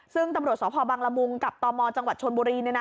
ซึ่งตำรวจสวพบังลมุงกับตอมจังหวัดชวนบุรีเนี่ยนะ